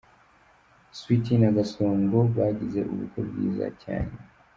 Sweety na Gasongo bagize ubukwe bwiza cyane.